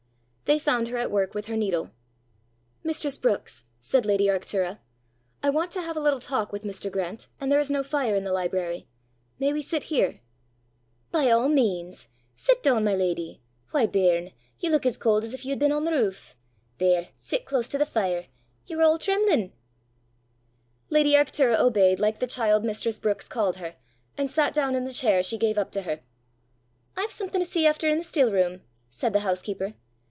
They found her at work with her needle. "Mistress Brookes," said lady Arctura, "I want to have a little talk with Mr. Grant, and there is no fire in the library: may we sit here?" "By all means! Sit doon, my leddy! Why, bairn! you look as cold as if you had been on the roof! There! sit close to the fire; you're all trem'lin'!" Lady Arctura obeyed like the child Mrs. Brookes called her, and sat down in the chair she gave up to her. "I've something to see efter i' the still room," said the housekeeper.